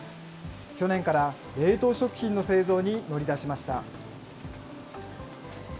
去年から冷凍食品の製造に乗り出しました。